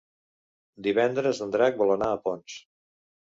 Divendres en Drac vol anar a Ponts.